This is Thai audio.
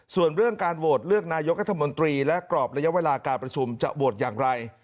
ส่วนเรื่องการโหวตเลือกนายกรัฐมนตรีและกรอบระยะเวลาการประชุมจะโหวตอย่างไร